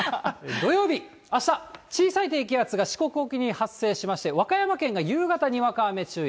土曜日、あした、小さい低気圧が四国沖に発生しまして、和歌山県が夕方、にわか雨注意。